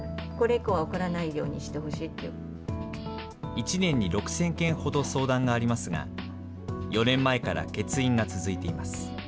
１年に６０００件ほど相談がありますが、４年前から欠員が続いています。